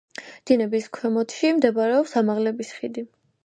დინების ქვემოთში მდებარეობს ამაღლების ხიდი.